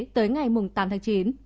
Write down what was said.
tới ngày tám tháng chín